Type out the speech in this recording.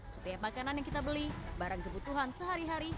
setiap makanan yang kita beli barang kebutuhan sehari hari